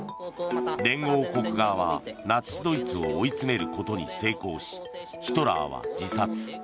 連合国側はナチスドイツを追い詰めることに成功しヒトラーは自殺。